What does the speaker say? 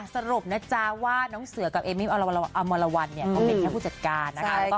สรุปนะจ๊ะว่าน้องเสือกับเอมมี่อมรวรรณเขาเป็นแค่ผู้จัดการนะคะ